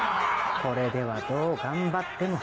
これではどう頑張っても。